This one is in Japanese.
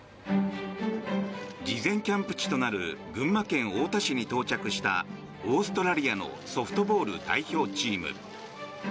事前キャンプ地となる群馬県太田市に到着したオーストラリアのソフトボール代表チーム。